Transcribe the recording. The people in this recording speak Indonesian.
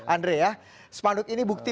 andre ya spanduk ini bukti